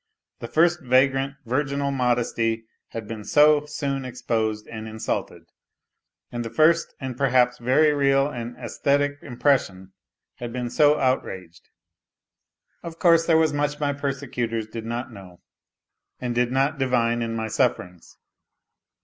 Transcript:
The first fragrant, vii modesty had been so soon exposed and insulted, and the first perhaps very real and aesthetic impression had been so outr Of course there was much my persecutors did not know and did not divine in my sufferings.